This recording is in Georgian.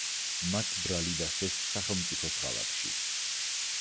მას ბრალი დასდეს სახელმწიფოს ღალატში.